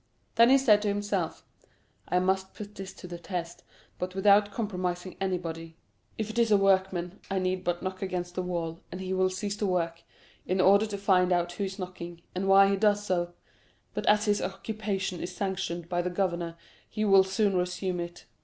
Then he said to himself: "I must put this to the test, but without compromising anybody. If it is a workman, I need but knock against the wall, and he will cease to work, in order to find out who is knocking, and why he does so; but as his occupation is sanctioned by the governor, he will soon resume it.